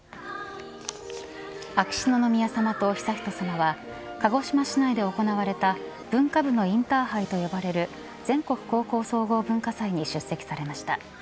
秋篠宮さまと悠仁さまは鹿児島市内で行われた文化部のインターハイと呼ばれる全国高校総合文化祭に出席されました。